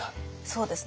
そうですね。